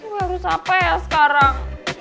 gue harus apa ya sekarang